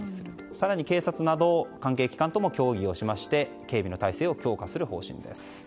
更に警察など関係機関とも協議をしまして警備の態勢を強化する方針です。